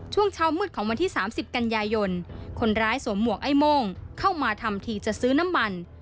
ช่วงเช้ามืดของวันที่๓๐กันยายนคนร้ายสวมหมวกไอ้โม่งเข้ามาทำทีจะซื้อน้ำมัน